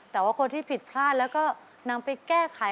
แต่ว่าคนที่ผิดพลาดแล้วก็นำไปแก้ไข